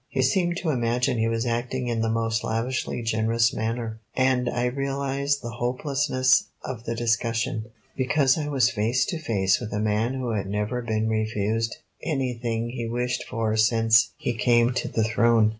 He seemed to imagine he was acting in the most lavishly generous manner, and I realized the hopelessness of the discussion, because I was face to face with a man who had never been refused anything he wished for since he came to the throne.